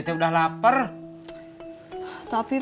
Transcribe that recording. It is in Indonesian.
tidak ada apa apa